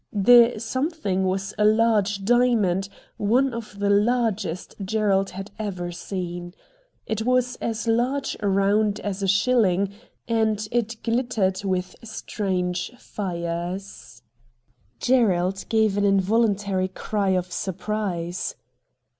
The something was a large diamond, one of the largest Gerald had ever seen. It was as large round as a shiUing, and it glittered with strange fires. 56 RED DIAMONDS Gerald gave an involuntary cry of surprise.